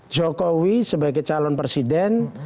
jokowi sebagai calon presiden